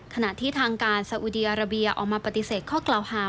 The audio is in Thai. ขณะที่ทางการสาอุดีอาราเบียออกมาปฏิเสธข้อกล่าวหา